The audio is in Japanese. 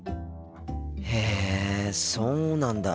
へえそうなんだ。